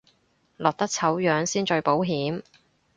落得醜樣先最保險